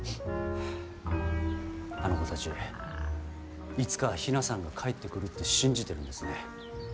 あの子たち、いつか比奈さんが帰ってくるって信じてるんですね。